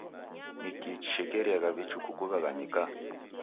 Ni kii chishekeriagha vichuku kuw'aghanyika?